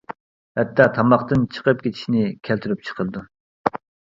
ھەتتا تاماقتىن چىقىپ كېتىشىنى كەلتۈرۈپ چىقىرىدۇ.